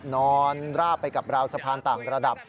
ราบไปกับราวสะพานต่างระดับ